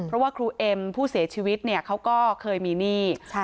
เพราะว่าครูเอ็มผู้เสียชีวิตเนี่ยเขาก็เคยมีหนี้ใช่ค่ะ